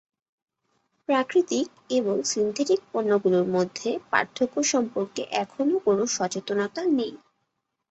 প্রাকৃতিক এবং সিন্থেটিক পণ্যগুলির মধ্যে পার্থক্য সম্পর্কে এখনও কোনো সচেতনতা নেই।